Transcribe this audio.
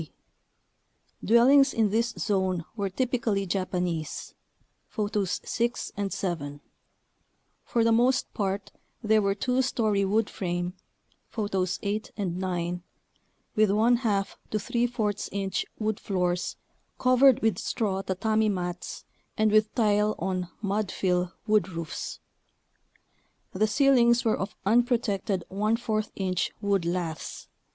g. Dwellings in this zone were typically Japanese (Photos 6 and 7) . For the most part, they were two story wood frame (Photos 8 and 9) with i/> to % inch wood floors covered with straw tatami mats, and with tile on (mud fill) wood roofs. The ceilings were of unpro tected 14 inch wood laths.